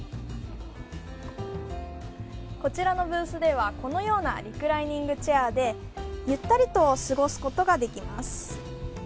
こちらのブースではこのようなリクライニングチェアでゆったりと過ごすことができます